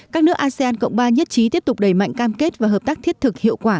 các nước asean cộng ba nhất trí tiếp tục đẩy mạnh cam kết và hợp tác thiết thực hiệu quả